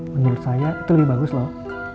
menurut saya itu lebih bagus loh